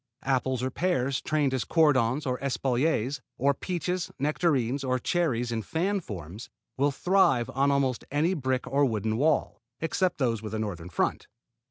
Apples or pears trained as cordons or espaliers, or peaches, nectarines, or cherries in fan forms, will thrive on almost any brick or wooden wall, except those with a northern front.